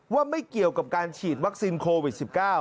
ว่าไม่เกี่ยวกับการฉีดวัคซีนโควิด๑๙